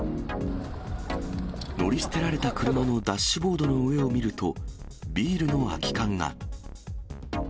乗り捨てられた車のダッシュボードの上を見ると、ビールの空き缶が。